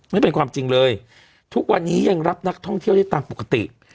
ไม่เป็นความจริงเลยทุกวันนี้ยังรับนักท่องเที่ยวได้ตามปกติ